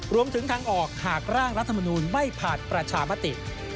รวมถึงทางออกหากร่างรัฐมนูลไม่ผ่านประชามติ